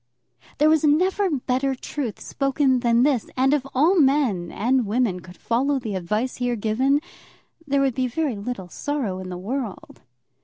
There was never better truth spoken than this, and if all men and women could follow the advice here given, there would be very little sorrow in the world.